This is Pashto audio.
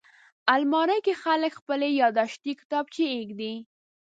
الماري کې خلک خپلې یاداښتې کتابچې ایږدي